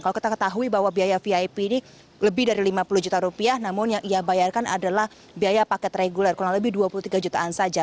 kalau kita ketahui bahwa biaya vip ini lebih dari lima puluh juta rupiah namun yang ia bayarkan adalah biaya paket reguler kurang lebih dua puluh tiga jutaan saja